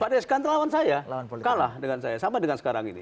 pak rias khan terlawan saya kalah dengan saya sama dengan sekarang ini